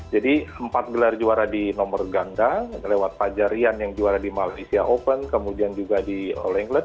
empat gelar juara di nomor ganda lewat fajarian yang juara di malaysia open kemudian juga di all england